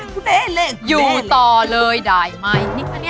กูเดามา